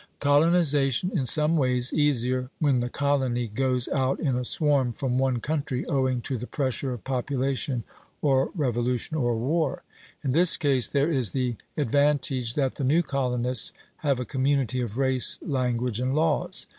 Colonization is in some ways easier when the colony goes out in a swarm from one country, owing to the pressure of population, or revolution, or war. In this case there is the advantage that the new colonists have a community of race, language, and laws.